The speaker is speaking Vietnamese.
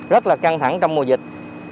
rất là căng thẳng trong mùa dịch